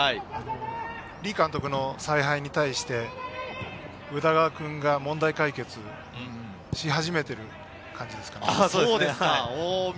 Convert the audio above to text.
リ監督の采配に対して宇田川君が問題解決し始めている感じですかね。